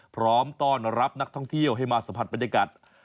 พร้อมต้อนรับนักท่องเที่ยวให้มาสัมผัสบรรยากาศ